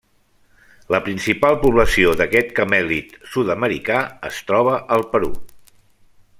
La principal població d'aquest camèlid sud-americà es troba al Perú.